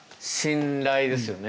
信頼ですよね。